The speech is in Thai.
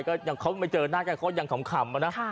เขายังเคยไปใจเข้ามามีเหมือนกันะ